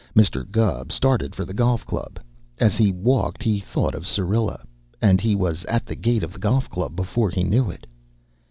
Mr. Gubb started for the Golf Club. As he walked he thought of Syrilla, and he was at the gate of the Golf Club before he knew it.